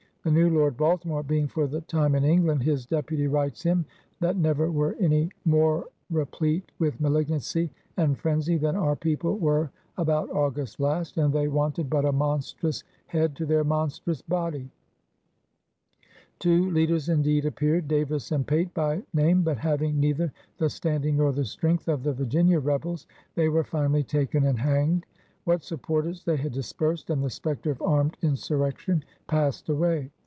The new Lord Baltimore being for the time in England, his deputy writes him that never were any "more re plete with malignancy and frenzy than our people were about August last, and they wanted but a monstrous head to their monstrous body/' Two leaders indeed appeared, Davis and Pate by name, but having neither the standing nor the strength of the Virginia rebels, they were finally taken and hanged. What supporters they had dispersed, and the specter of armed insurrection passed away.